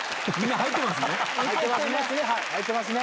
入ってますね。